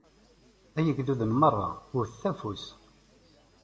Ay igduden merra, wtet afus!